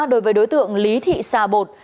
đối với đối tượng lý thị xà bột